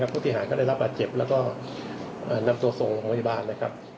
พูดที่หายก็ได้รับอาจเจ็บแล้วก็นำตัวส่งไปบ้าน